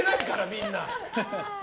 みんな。